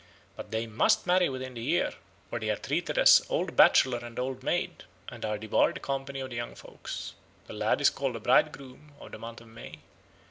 But they must marry within the year, or they are treated as old bachelor and old maid, and are debarred the company of the young folks. The lad is called the Bridegroom of the month of May.